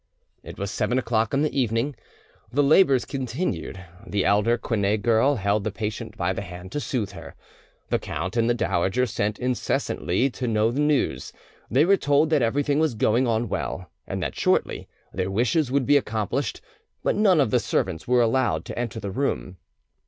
It was seven o'clock in the evening; the labours continued; the elder Quinet girl held the patient by the hand to soothe her. The count and the dowager sent incessantly to know the news. They were told that everything was going on well, and that shortly their wishes would be accomplished; but none of the servants were allowed to enter the room.